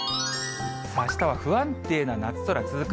あしたは不安定な夏空続く。